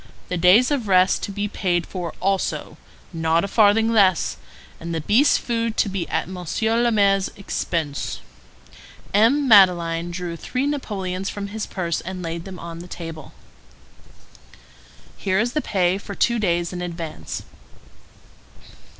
The days of rest to be paid for also—not a farthing less; and the beast's food to be at Monsieur le Maire's expense." M. Madeleine drew three napoleons from his purse and laid them on the table. "Here is the pay for two days in advance."